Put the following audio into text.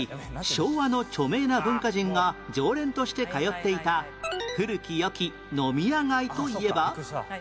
昭和の著名な文化人が常連として通っていた古き良き飲み屋街といえば？